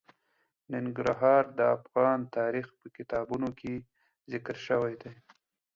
ننګرهار د افغان تاریخ په کتابونو کې ذکر شوی دي.